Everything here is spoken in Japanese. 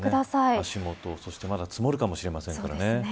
足元、まだ積もるかもしれませんからね。